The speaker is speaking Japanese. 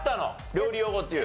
料理用語っていう。